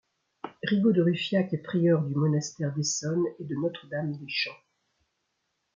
Rigaud de Ruffiac est prieur du monastère d'Essonnes et de Notre-Dame-des-Champs.